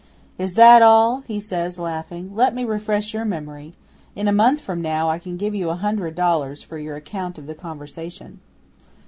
'"Is that all?" he says, laughing. "Let me refresh your memory. In a month from now I can give you a hundred dollars for your account of the conversation."